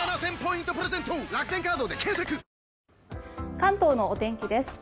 関東のお天気です。